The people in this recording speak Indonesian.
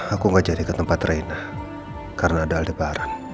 aku gak jadi ke tempat reyna karena aldebaran